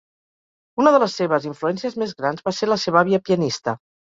Una de les seves influències més grans va ser la seva àvia pianista.